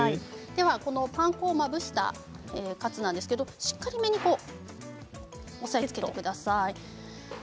パン粉をまぶしたカツなんですけれど、しっかりめに押さえつけてください。